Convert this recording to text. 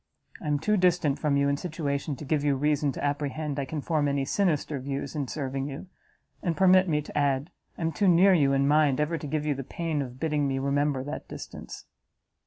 I am too distant from you in situation to give you reason to apprehend I can form any sinister views in serving you; and, permit me to add, I am too near you in mind, ever to give you the pain of bidding me remember that distance."